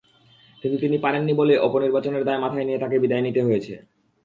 কিন্তু তিনি পারেননি বলেই অপনির্বাচনের দায় মাথায় নিয়ে তাঁকে বিদায় নিতে হয়েছে।